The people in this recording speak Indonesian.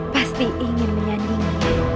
pasti ingin menyandingi